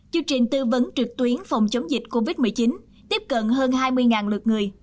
chương trình tư vấn trực tuyến phòng chống dịch covid một mươi chín tiếp cận hơn hai mươi lượt người